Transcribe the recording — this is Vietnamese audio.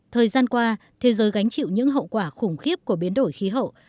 thời gian qua thế giới gánh chịu những hậu quả khủng khiếp của biến đổi khí hậu